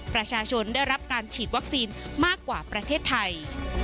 ประชาชนได้รับการฉีดวัคซีนมากกว่าประเทศไทย